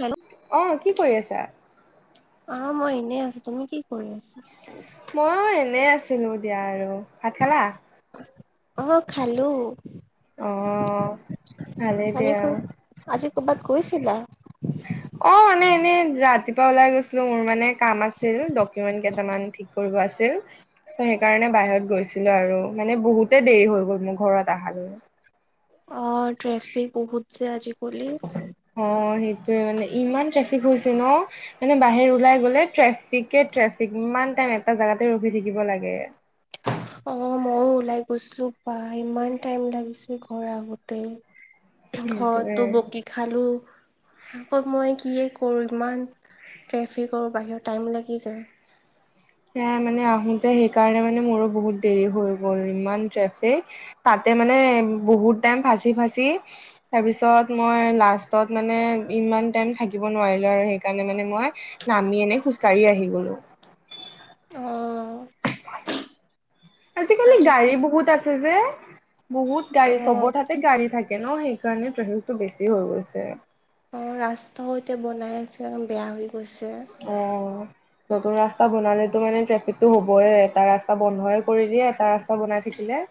Hello অ কি কৰি আছা? আ মই এনেই আছো তুমি কি কৰি আছা? মইয়ো এনে আছিলো দিয়া আৰু ভাত খালা অ খালোঁ। অ ভালেই আজি দিয়া। ক আজি কৰ'বাত গৈছিলা? অ এনে এনে ৰাতিপুৱা ওলাই গৈছিলো মোৰ মানে কাম আছিল ডকুমেন্ট কেইটামান ফিট কি কৰিব আছিল। ত সেইকাৰণে বাহিৰত গৈছিলো আৰু মানে বহুতে দেৰি হৈ গ'ল মোৰ ঘৰত অহালৈ। অ ট্ৰেফিক বহুত যে আজি-কালি অ সেইটোয়ে মানে ইমান ট্ৰেফিক হৈছে ন মানে বাহিৰত ওলাই গ'লে ট্ৰেফিকে ট্ৰেফিক ইমান টাইম এটা জোগাতে ৰখি থাকিব লাগে। অ ময়ো ওলাই গৈছো পাই ইমান টাইম লাগিছে ঘৰ আহোঁতে। ঘৰততো সেইটোৱে বকি খালো। আকৌ মই কিয়ে কৰোঁ ইমান ট্ৰেফিকৰ বাহিৰত টাইম লাগি যায়। সেয়াই মানে আহোঁতে সেইকাৰণে মানে মোৰো বহুত দেৰি হৈ গ'ল ইমান ট্ৰেফিক। তাতে মানে বহুত টাইম ফাচি ফাচি তাৰপিছত মই লাষ্টত মানে ইমান টাইম থাকিব নোৱাৰিলো আৰু সেইকাৰণে মানে মই নামি এনে খোজ কাঢ়ি আহি গলো অ উ [unintelligible] আজিকালি আজি গাড়ী বহুত আছে যে বহুত অ গাড়ী চবৰ তাতে গাড়ী থাকে থাকে ন সেইকাৰণে ট্ৰেফিকটো বেছি হৈ গৈছে অ ৰাস্তাও এতিয়া বনাই আছে বেয়া হৈ গৈছে অ নতুন ৰাস্তা বনালেতো মানে ট্ৰেফিকটো হ'বই এটা ৰাস্তা বন্ধইে কৰি দিয়ে এটা ৰাস্তা বনাই থাকিলে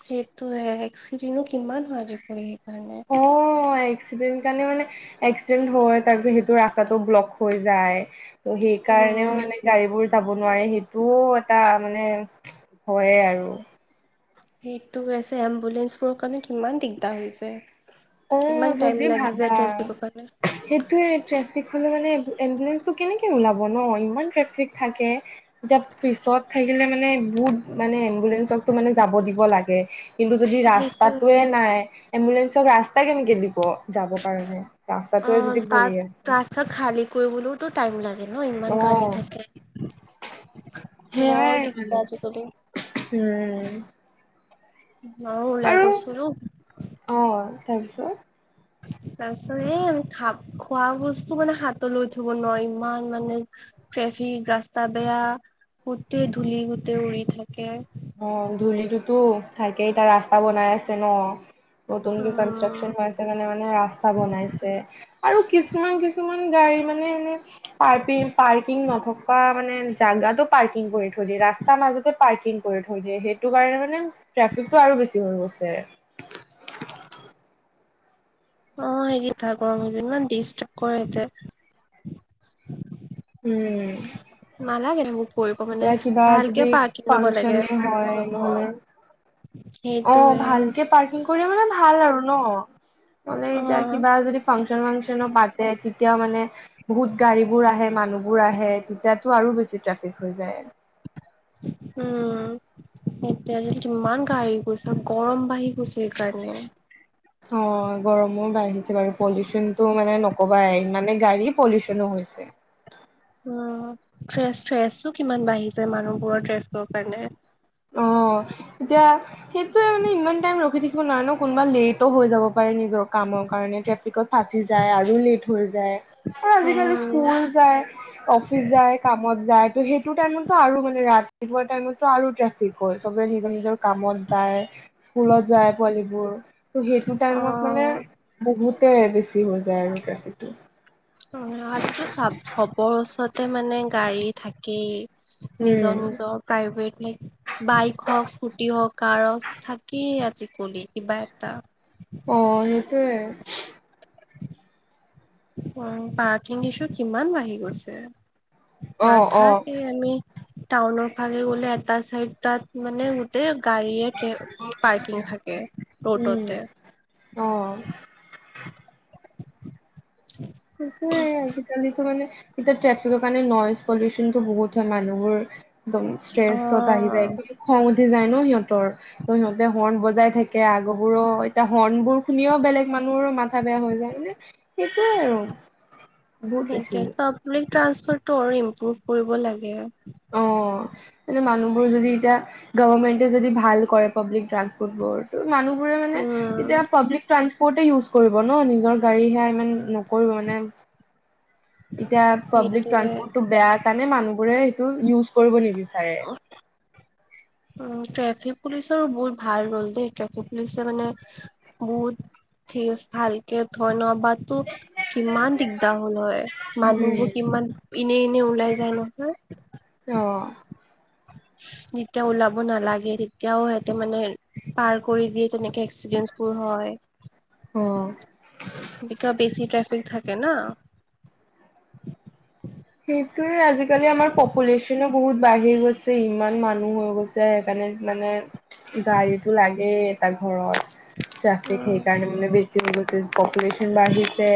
সেইটোৱে এক্সিডেনো কিমান হয় আজিকালি সেইকাৰণে অ এক্সিডেন কাৰণে মানে এক্সিডেন্ট হয় তাৰ পিছত সেইটো ৰাস্তাটো ব্লক হৈ যায় ত সেইকাৰণেও উম মানে গাড়ীবোৰ যাব নোৱাৰে সেইটোও এটা মানে হয়ে আৰু সেইটোৱে এম্বুলেঞ্চবোৰৰ কাৰণে কিমান দিগদাৰ হৈছে অ' কিমান টাইম যদি লাগি যায় ভাবা ট্ৰেফিকৰ কাৰণে সেইটোয়ে ট্ৰেফিক হলে মানে এম্বুলেঞ্চটো কেনেকে ওলাব ন ইমান ট্ৰেফিক থাকে এতিয়া পিছত থাকিলে মানে বহুত মানে এম্বুলেঞ্চক মানে যাব দিব লাগে কিন্তু যদি সেইটো ৰাস্তাটোৱে নাই এম্বুলেঞ্চক ৰাস্তা কেনেকে দিব যাবৰ কাৰণে অ ৰাস্তাটোৱে যদি পৰি আছে তাত ৰাস্তা খালী কৰিবলৈওতো টাইম লাগে ন ইমান গাড়ী অ' থাকে সেয়াই বৰ উম দিগদাৰ আজিকালি মাও ওলাই আৰু গৈছিলো অ তাৰপিছত তাৰপিছত এই আমি খা খোৱা বস্তু মানে হাতত লৈ থাকিব নোৱাৰি ইমান মানে ট্ৰেফিক ৰাস্তা বেয়া গোটেই ধূলি গোটেই উৰি থাকে অ ধূলিটোতো থাকেই এতিয়া ৰাস্তা বনাই আছে ন নতুনকে উম, কনষ্টাচন হৈ আছে কাৰণে মানে ৰাস্তা বনাই আছে আৰু কিছুমান কিছুমান গাড়ী মানে এনে পাৰ্কিং পাৰ্কিং নথকা মানে জাগাতো পাৰ্কিং কৰি থৈ দিয়ে ৰাস্তাৰ মাজতে পাৰ্কিং কৰি থৈ দিয়ে সেইটো কাৰণে মানে ট্ৰেফিকটো আৰু বেছি হৈ গৈছে অ সেইকেইটা গৰম যে ইমান ডিষ্টাব কৰে এইয়াতে উম নালাগে মোক কৰিব কাৰণে এতিয়া কিবা ভালকে যদি পাৰ্কিং কৰিব লাগে ফাংচনে হয় মানে অ সেইটোৱে ভালকে পাৰ্কিং কৰি মানে ভাল আৰু ন মানে অ এতিয়া কিবা যদি ফাংচন ফাংচনো পাতে তেতিয়া মানে বহুত গাড়ী বোৰ আহে মানুহবোৰ আহে তেতিয়াতো আৰু বেছি ট্ৰেফিক হৈ যায় উম এতিয়া যে ইমান গাড়ী গৈছে আৰু গৰম বাঢ়ি গৈছে সেই কাৰণে অ গৰমো বাঢ়িছে বাৰু পলিউচনটো মানে নকবাই মানে গাড়ী পলিউচনো হৈছে উম থ্ৰেচ থ্ৰেচো কিমান বাঢ়িছে মানুহবোৰৰ টেষ্ট কাৰণে অ এতিয়া সেইটোৱে মানে ইমান টাইম ৰখি থাকিব নোৱাৰে ন কোনোবা লেটো হৈ যাব পাৰে নিজৰ কামৰ কাৰণে টেফ্ৰিকট ফাঁচি যায় আৰু লেট হৈ যায় এ আজিকালি উম স্কুল যায় অফিচ যায় কামত যায় ত সেইটো টাইমত আৰু মানে ৰাতিপুৱা টাইমতো আৰু ট্ৰেফিক হয় চবে নিজৰ নিজৰ কামত যায় স্কুলত যায় পোৱালিবোৰ ত' সেইটো অ টাইমত মানে বহুতে বেছি হৈ যায় আৰু ট্ৰেফিকটো। অহ আজিকালি চা চবৰ ওচৰতে মানে গাড়ী থাকেই উম নিজৰ নিজৰ প্ৰাইভেট বাইক হওঁক স্কুটি হওঁক কাৰো থাকেই আজিকলি কিবা এটা অহ সেইটোৱে উম পাৰ্কিং ইছু কিমান বাঢ়ি গৈছে অ', অ', নাথাকে আমি টাউনৰ ফালে গ'লে এটা চাইড তাত মানে এই গাড়ীয়ে পাৰ্কিং থাকে ৰোডতে অহ সেইটো আজিকালিতো মানে এতিয়া ট্ৰেফিকৰ কাৰণে নই পলিউচনতো বহুত হয় মানুহবো একদম অ ষ্ট্ৰেচত আহি যায় খং উঠি যায় ন সিহঁতৰ। ত সিহঁতে হৰ্ণ বজাই থাকে আগ বোৰো এতিয়া হৰ্ণবোৰ শুনিও বেলেগ মানুহৰ মাথা বেয়া হৈ যায় মানে সেইটোৱে আৰু বহুত বেছি এতিয়া পাব্লিক ট্ৰান্সপ'ৰ্ট টো আৰু ইমপ্ৰভ কৰিব লাগে অ মানে মানুহবোৰ যদি এতিয়া গভৰ্মেন্টে যদি ভাল কৰে পাব্লিক ট্ৰান্সপোৰ্ট বোৰ মানুহবোৰে মানে উম যেতিয়া পাব্লিক ট্ৰান্সপ'ৰ্ট ইউজ কৰিব ন নিজৰ গাড়ীহে ইমান নকৰিব মানে এতিয়া পাব্লিক সেইটোৱে ট্ৰান্সপ'ৰ্ট টো বেয়া কাৰণে মানুহ বোৰে সেইটো ইউজ কৰিব নিবিচাৰে [unintelligible] উম ট্ৰেফিক পুলিচৰো বহুত ভাল ৰোল দেই ট্ৰেফিক পুলিচে মানে বহুত থিক আছে ভালকে ধন্যবাদ ত কিমান দিগদাৰ হ'ল হয় মানুহবোৰ কিমান এনে এনে ওলাই যায় নহয় অহ [unintelligible] যেতিয়া ওলাব নালাগে তেতিয়াও সিহঁতে মানে পাৰ কৰি দিয়ে তেনেকে এক্সিডেন বোৰ হয় অ কেতিয়াবা বেছি ট্ৰেফিক থাকে ন সেইটোৱে আজিকালি আমাৰ পপুলেশ্বনো বহুত বাঢ়ি গৈছে ইমান মানুহ হৈ গৈছে সেইকাৰণে মানে গাড়ীটো লাগেই এটা ঘৰত ট্ৰেফিক উম, সেইকাৰণে মানে বেছি পপুল্যন বাঢ়িছে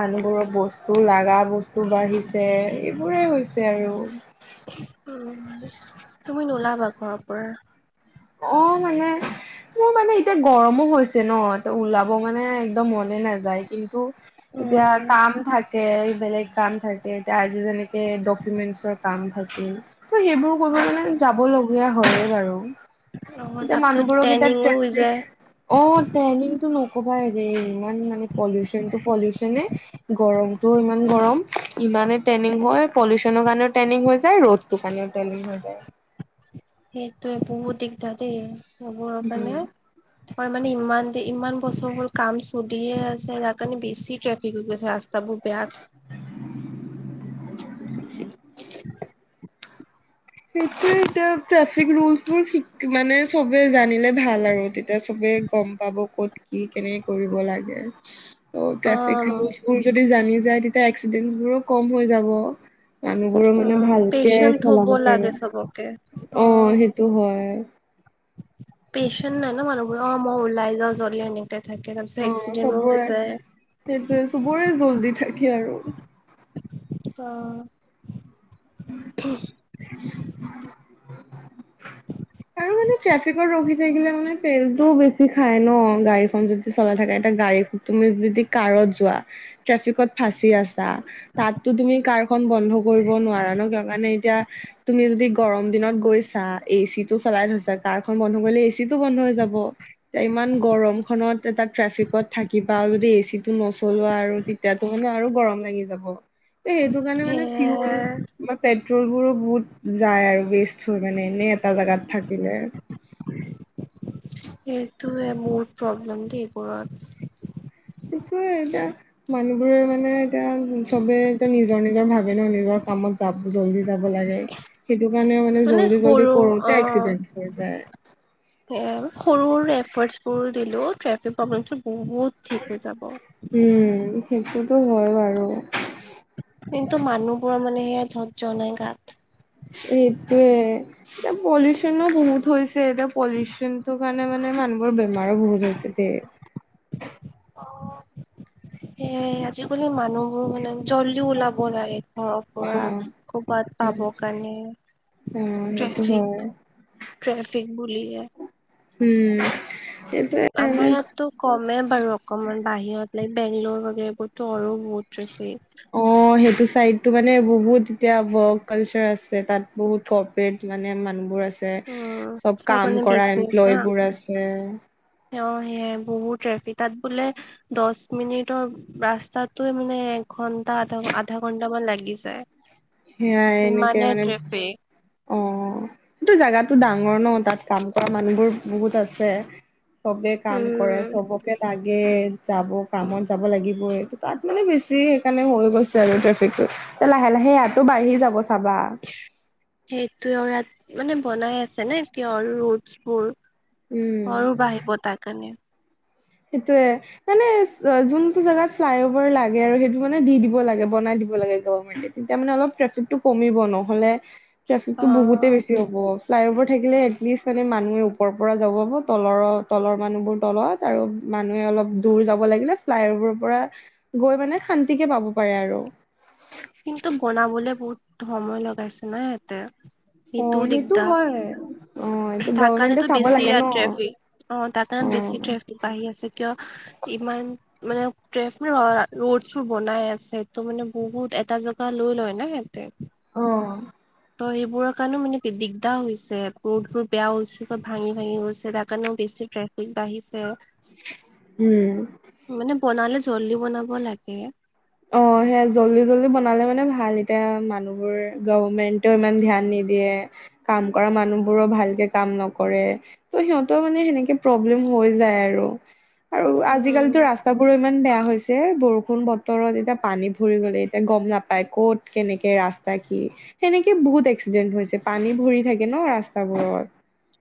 মানুহবোৰৰ বস্তু লগা বস্তু বাঢ়িছে এইবোৰে হৈছে আৰু উম তুমি নোলাবা ঘৰৰ পৰা অহ মানে মোৰ মানে এতিয়া গৰমো হৈছে ন এ ওলাব মানে একদম মনে নাযায় কিন্তু এতিয়া উম, কাম থাক। থাকে বেলেগ কাম থাকে এতিয়া আজি যেনেকে ডকুমেন্টচৰ কাম থাকে ত সেইবোৰ কৰিব মানে যাব লগগীয়া হয় বাৰু অ' এতিয়া তাৰপিছত মানুহবোৰক এতিয়া টেনিঙো হৈ যায়। ট্ৰেফিক অহ ট্ৰনিংটো নকবাই ৰে ইমান মানে পলিউশ্বন টো পলিউশ্বনে গৰমতটো ইমান গৰম ইমানে ট্ৰেইনিং হয় পলিউশ্বচনৰ কাৰণেও ট্ৰেইনিং হৈ যায় ৰ'দ তো কাৰনেও ট্ৰেইনিং হৈ যায় সেইটোৱে বহুত দিগদাৰ দেই এইবোৰ উম কাৰনে হয় মানে ইমান দে ইমান বছৰ বোৰ কাম চলিয়ে আছে যাৰ কাৰণে বেছি ট্ৰেফিক হৈ গৈছে ৰা ৰাস্তাবোৰ বেয়া [inaudible] [inaudible] সেইটোয়ে এতিয়া ট্ৰেফিক ৰুলটোৰ মানে, চবে জানিলে ভাল আৰু তেতিয়া চবে গ'ম পাব, ক'ত কি কেনেকে কৰিব লাগে? [inaudible] ত' ট্ৰেফিক অ', ৰুলছবোৰ যদি জানি যায়, তেতিয়া এক্সিডেন্টবোৰো কম হৈ যাব। মানুহবোৰো মানে ভালকে পেচেণ্ট থ'ব চলাব। লাগে চবকে অ টো হয়। পেচেণ্ট নাই ন, মানুহবোৰ? অ', মই ওলাই যাওঁ, জল্দি আনিম। থাকে তাৰপিছত এক্সিডেণ্টো হৈ যায়। সেইটোয়ে, চবৰে জল্দি থাকে আৰু। অ'। [inaudible] [inaudible] আৰু মানে, ট্ৰেফিকত ৰখি থাকিলে মানে তেলটোও বেছি খাই ন? গাড়ীখন যদি চলাই থাকে। এটা গাড়ী তুমি যদি কাৰত যোৱা, ট্ৰেফিকত ফাঁচি আছা তাততো তুমি কাৰখন বন্ধ কৰিব নোৱাৰা ন, কিয় কাৰণে এতিয়া তুমি যদি গৰম দিনত গৈছা, এচিত টো চলাই থৈছা, কাৰ খন বন্ধ হৈ কৰিলে এচিটো বন্ধ হৈ যাব। এতিয়া ইমান গৰমখনত তাত ট্ৰেফিকত থাকিবা যদি এচিটো নচলোৱা, আৰু তেতিয়াতো মানে আৰু গৰম লাগি যাব। এ, সেইটো কাৰণে সেয়াই মানে ফিউল তোমাৰ পেট্ৰ'লবোৰো বহুত যায় আৰু ৱেষ্ট হয় মানে, এনেই এটা জাগাত থাকিলে। সেইটোৱে মোৰ প্ৰব্লেম, [unintelligible] সেইটোয়ে এতিয়া মানুহবোৰে মানে এতিয়া চবে এতিয়া নিজৰ নিজৰ ভাগে ভাগে ন, নিজৰ কামত যাব, জল্দি যাব লাগে। সেইটো কাৰণে মানে জল্দি জল্দি কৰোঁতে এক্সিডেন্ট হৈ যায়। সৰু-সৰু এফ'ৰ্টছবোৰ দিলেও ট্ৰেফিক প্ৰব্লেমটো বহুত ঠিক হৈ যাব। উম, সেইটোতো হয় বাৰু। কিন্তু মানুহবোৰৰ মানে সেয়া, ধৈৰ্য নাই গাত। এইটোৱে। এতিয়া পলিউচনো বহুত হৈছে। এতিয়া পলিউচনটোৰ কাৰণে মানে মানুহবৰ বেমাৰো বহুত হৈছে দেই। অ সেইয়াই, আজিকালি মানুহবোৰ মানে জল্দি ওলাব লাগে। ঘৰৰ অ পৰা, কবাত অ পাব কাৰণে। অ' সেইটো ট্ৰেফিক হয়। ট্ৰেফিক বুলিহে উম' এইটোয়ে। আমাৰ ইয়াততো কমেই বাৰু, অকমান বাহিৰত লাইক বেংগলৰ এইবোৰততো আৰু বহুত ট্ৰেফিক। অ', সেইটো চাইডটো মানে বহুত এতিয়া, ব কালচাৰ আছে তাত বহুত কম। মানে, মানুহবোৰ আছে, উম, চব কাম মানে কৰা বিজনেচ না এমপ্লয়বোৰ আছে। অ' সেয়াই বহুত ট্ৰেফিক, তাত বোলে দহ মিনিটৰ ৰাস্তাটোয়ে মানে ঘন্টা আধা, আধা-আধা ঘন্টামান লাগি যায়। সেয়াই, এনেকে ইমানে মানে ট্ৰেফিক অ' সেইটো জাগাতো ডাঙৰ ন, তাত কাম কৰা মানুহবোৰ বহুত আছে। চবে কাম কৰে উম, চবকে লাগে। গে, যাব কামত যাব লাগিব এইটো তাত মানে বেছি সেইকাৰণে হৈ গৈছে আৰু ট্ৰেফিকটো। এতিয়া লাহে লাহে ইয়াতো বাঢ়ি যাব চাবা। সেইটো আৰু ইয়াত মানে বনাই আছে নে এৰ ৰোট বোৰ। উম। আৰু বাঢ়িব তাৰ কাৰণে। সেইটোৱে। মানে যোনটো জেগাত ফ্লাই অভাৰ লাগে আৰু সেইটো মানে দি দিব লাগে বনাই দিব লাগে গভমেন্টে। তেতিয়া মানে অলপ ট্ৰেফিক টো কমিব নহলে ট্ৰেফিক টো বহুতে অ', বেছি হ'ব। ফ্লাই অভাৰ থাকিলে এটলিষ্ট মানে মানুহে ওপৰৰ পৰা যাব পাৰিব, তল তলৰ মানুহবোৰ তলত। আৰু মানুহে অলপ দূৰ যাব লাগিলে ফ্লাইবোৰৰ পৰা - গৈ মানে শান্তিকে পাব পাৰে আৰু। কিন্তু বনাবলে বহুত সময় লগাইছে না সিহতে। অ সেইটো হয়। অ এইটো তাক গভমেন্টে কাৰণেতো চাব বেছি লাগে ন ইয়াত ট্ৰেফিক অ তাৰ কাৰণে বেছি ট্ৰেফিক বাঢ়ি আছে কিয় - ইমান মানে ট্ৰেফিক ৰোডবোৰ বনাই আছে তো মানে বহুত এড - এটা জেগা লৈ লয় না সিহঁতে। অ। ত এইবোৰৰ কাৰণেও মানে দিগদাৰ হৈছে ৰোডবোৰ বেয়া হৈছে চব ভাঙি ভাঙি গৈছে তাৰ কাৰণেও বেছি টে - ফিক বাঢ়িছে। উম। মানে বনালে জল্দি বনাব লাগে। অ সেয়া জল্দি জল্দি বনালে মানে ভাল এতিয়া মানুহবোৰ গভমেন্টেও ইমান ধ্যান নিদিয়ে। কাম কৰা মানুহবোৰো ভালকে কাম নকৰে। ত' সিহঁতৰ মানে সেনেকে প্ৰব্লেম হৈ যায় আৰু। আৰু উম, আজিকালিতো ৰাস্তাবোৰো ইমান বেয়া হৈছে বৰষুণ ব - তৰত এতিয়া পানী ভৰি গ'লে এতিয়া গম নাপায় ক'ত কেনেকে ৰাস্তা কি - সেনেকে বহুত এক্সিডেণ্ট হৈছে, পানী ভৰি থাকে ন ৰাস্তাবোৰত।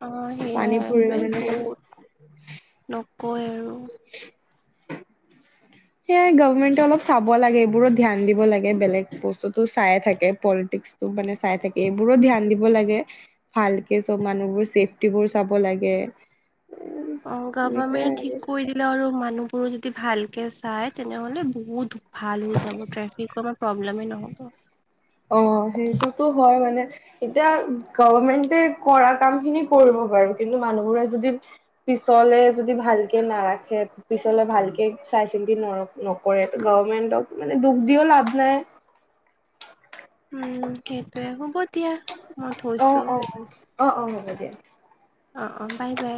অ সেয়া পানী ভৰি মানে গ'লে বহুত নকয় আৰু। [unintelligible] সেয়াই গভমেন্টে অলপ চাব লাগে এইবোৰত ধ্যান দিব লাগে বেলেগ বস্তুতটো চাইে থাকে পলিটিক্স - মানে চাই থাকে এইবোৰো ধ্যান দিব লাগে। ভালকে চব মানুহবোৰ চেফটিবোৰ চাব লাগে। অ গভৰমেণ্ট ঠিক কৰি দি - লে আৰু মানুহবোৰো যদি ভালকে চাই তেনেহলে বহুত ভাল হৈ যাব ট্ৰেফিক কম- প্ৰব্লেমেই নহ'ব। অ সেইটোতো হয় মানে - এতিয়া গভমেন্টে কৰা কাম খিনি কৰিব পাৰো কিন্তু মানুহবোৰে যদি - পিছলে যদি ভালকে নাৰাখে - পিছলে ভালকে চাই চিন্তি নৰ নকৰে গভমেন্টক মানে দুখ দিও লাভ নাই। উম, সেইটোয়ে, হ'ব দিয়া। মই অ থৈছো অ অ, অ অ হ'ব দিয়া। অ অ বাই বাই।